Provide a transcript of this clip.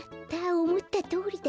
おもったとおりだ！